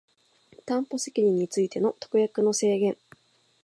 担保責任についての特約の制限